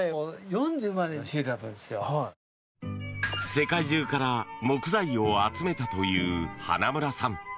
世界中から木材を集めたという花村さん。